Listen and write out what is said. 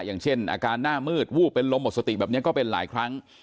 อย่างเช่นอาการหน้ามืดวูบเป็นลมหมดสติแบบนี้ก็เป็นหลายครั้ง